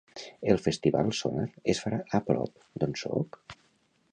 El Festival "Sónar" es farà a prop d'on soc?